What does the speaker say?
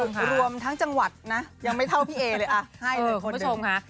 รวมทั้งจังหวัดนะยังไม่เท่าพี่เอเลยอ่ะให้เลยคุณผู้ชมค่ะ